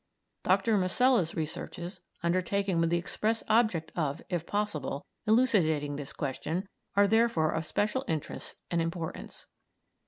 Dr. Masella's researches, undertaken with the express object of, if possible, elucidating this question, are therefore of special interest and importance.